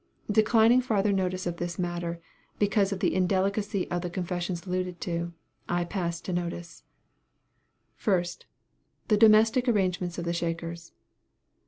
Declining farther notice of this matter, because of the indelicacy of the confessions alluded to, I pass to notice, 1st. The domestic arrangements of the Shakers.